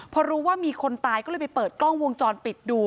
พอรู้ว่ามีคนตายก็เลยไปเปิดกล้องวงจรปิดดู